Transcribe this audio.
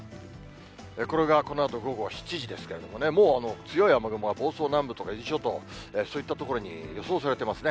これがこのあと午後７時ですけれども、もう強い雨雲が房総南部とか、伊豆諸島、そういった所に予想されてますね。